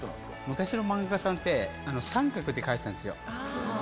昔の漫画家さんって三角で描いてたんですよ。